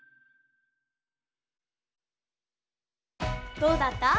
どうだった？